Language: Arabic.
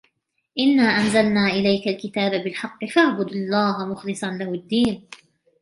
إنا أنزلنا إليك الكتاب بالحق فاعبد الله مخلصا له الدين